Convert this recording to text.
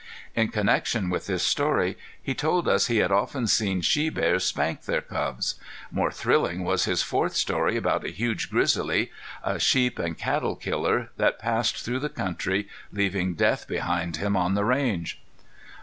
In connection with this story he told us he had often seen she bears spank their cubs. More thrilling was his fourth story about a huge grizzly, a sheep and cattle killer that passed through the country, leaving death behind him on the range.